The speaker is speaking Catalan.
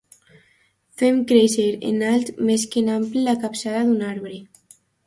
Fem créixer en alt més que en ample la capçada d'un arbre.